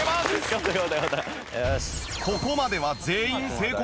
ここまでは全員成功。